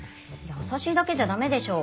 優しいだけじゃ駄目でしょ。